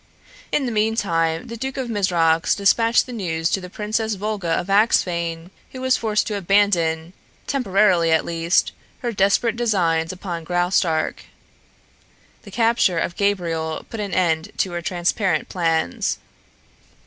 In the meantime the Duke of Mizrox despatched the news to the Princess Volga of Axphain, who was forced to abandon temporarily, at least her desperate designs upon Graustark. The capture of Gabriel put an end to her transparent plans.